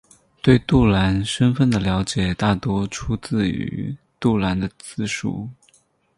对杜兰身份的了解大多出自于杜兰的自述。